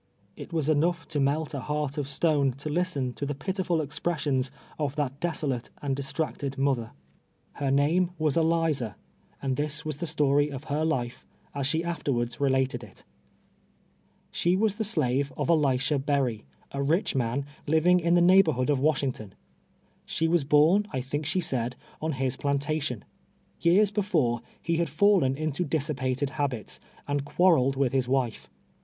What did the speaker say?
It was enough to melt a heart of stone to listen to the pitiful ex X)ressions of that desolate and distracted mother. Iler 52 TWELVE YEAES A SLAVE, name "was Eliza ; and this was tlie steiy of her life, as islie afterwards related it : (She Avas the slave of Elisha Eerry, a rich man, liv inu' in tlu' nciu hlxirhood of AVashini; ton, She was 1)1 ini, I thiidv she said, on his plantation. Years be fore, he had fallen into dissipated habits, and quarrel ed with his wife.